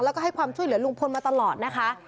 แล้วก็ให้ความช่วยเหลือลุงพลมาตลอดนะคะ